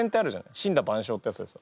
「森羅万象」ってやつですよ。